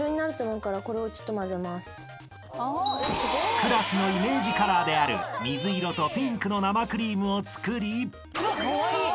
［クラスのイメージカラーである水色とピンクの生クリームを作り］